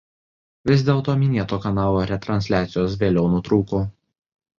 Vis dėl to minėto kanalo retransliacijos vėliau nutrūko.